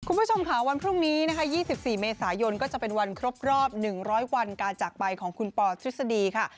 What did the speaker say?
คุณผู้ชมค่ะวันพรุ่งนี้นะคะ๒๔เมษายนก็จะเป็นวันครบรอบ๑๐๐วันการจากไปของคุณปอทฤษฎีค่ะ